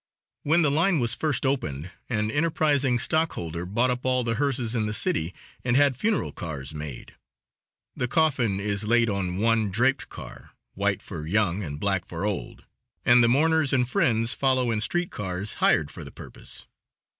When the line was first opened an enterprising stockholder bought up all the hearses in the city and had funeral cars made. The coffin is laid on one draped car; white for young and black for old, and the mourners and friends follow in street cars hired for the purpose.